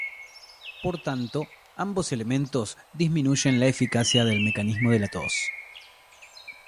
Por tanto, ambos elementos disminuyen la eficacia del mecanismo de la tos.